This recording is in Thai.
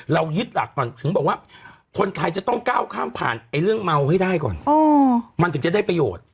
ยึดหลักก่อนถึงบอกว่าคนไทยจะต้องก้าวข้ามผ่านเรื่องเมาให้ได้ก่อนมันถึงจะได้ประโยชน์